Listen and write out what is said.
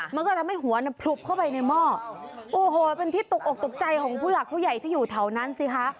มันก็ทำให้หัวเนี่ยผลุบเข้าไปในหม้อโอ้โหเป็นที่ตกอกตกใจของผู้หลักผู้ใหญ่ที่อยู่แถวนั้นสิคะ